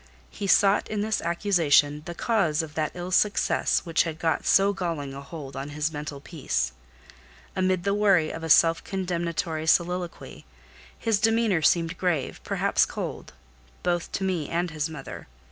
He sought in this accusation the cause of that ill success which had got so galling a hold on his mental peace: Amid the worry of a self condemnatory soliloquy, his demeanour seemed grave, perhaps cold, both to me and his mother.